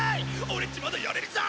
俺っちまだやれるぞ！